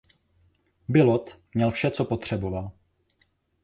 Bilott měl vše co potřeboval.